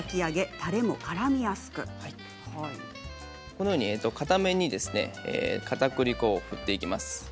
このように片面にかたくり粉を振っていきます。